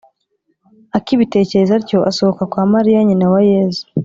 Akibitekereza atyo asohoka kwa Mariya nyina wa Yezu